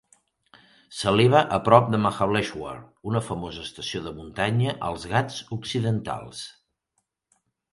S'eleva a prop de Mahableshwar, una famosa estació de muntanya als Ghats occidentals.